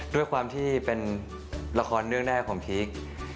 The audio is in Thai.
ด้วยความที่เป็นละครเรื่องแรกของพีค